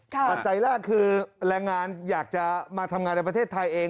ปัจจัยแรกคือแรงงานอยากจะมาทำงานในประเทศไทยเอง